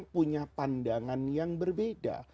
punya pandangan yang berbeda